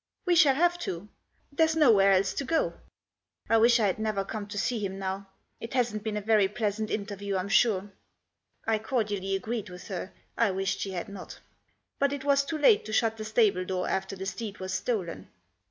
" We shall have to. There's nowhere else to go. I wish I'd never come to see him now ; it hasn't been a very pleasant interview, I'm sure." I cordially agreed with her — I wished she had not. But it was too late to shut the stable door after the steed was stolen.